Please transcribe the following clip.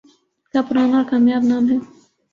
کا پرانا اور کامیاب نام ہے